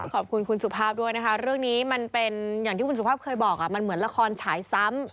ขอบคุณคุณสุภาพด้วยนะคะเรื่องนี้มันเป็นอย่างที่คุณสุภาพเคยบอกมันเหมือนละครฉายซ้ำ